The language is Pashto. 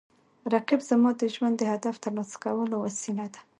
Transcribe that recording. رقیب زما د ژوند د هدف ترلاسه کولو وسیله ده